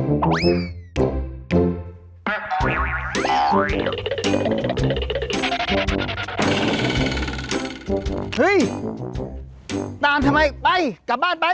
เฮ้ยตามทำไมไปกลับบ้านไป